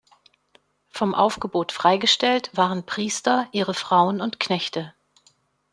Vom Aufgebot freigestellt waren Priester, ihre Frauen und Knechte.